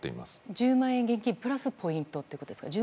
１０万円現金プラスポイントということですか。